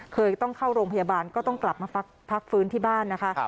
เคยต้องเข้าโรงพยาบาลก็ต้องกลับมาพักฟื้นที่บ้านนะคะ